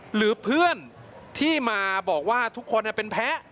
หรือเพื่อนที่มาบอกว่าทุกคนเป็นแพ้